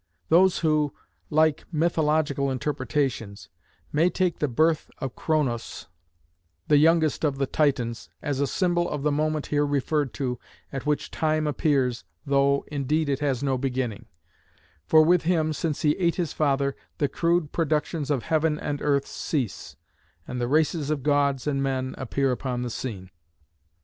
Those who like mythological interpretations may take the birth of Kronos (χρονος), the youngest of the Titans, as a symbol of the moment here referred to at which time appears, though, indeed it has no beginning; for with him, since he ate his father, the crude productions of heaven and earth cease, and the races of gods and men appear upon the scene.